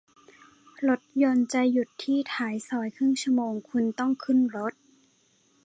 รถยนต์จะหยุดที่ท้ายซอยครึ่งชั่วโมง คุณต้องขึ้นรถ